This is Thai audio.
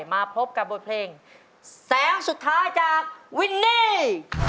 มาพบกับบทเพลงแสงสุดท้ายจากวินนี่